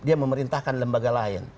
dia memerintahkan lembaga lain